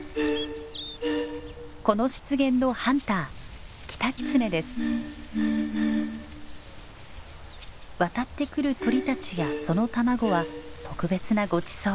この湿原のハンター渡ってくる鳥たちやその卵は特別なごちそう。